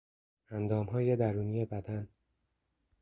اندامهای درونی بدن